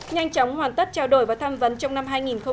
nhanh chóng hoàn tất trao đổi và tham vấn trong năm hai nghìn một mươi chín